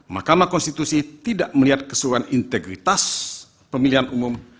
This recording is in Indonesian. mahkamah konstitusi tidak melihat keseluruhan integritas pemilihan umum